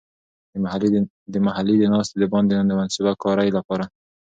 د محلي د ناستې د باندې د منصوبه کارۍ لپاره.